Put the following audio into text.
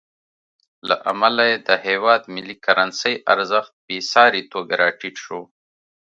له امله یې د هېواد ملي کرنسۍ ارزښت بېساري توګه راټیټ شو.